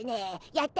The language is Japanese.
やった！